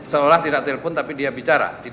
seolah olah tidak telepon tapi dia bicara